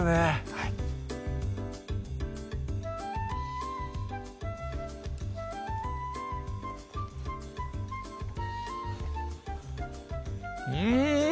はいうん！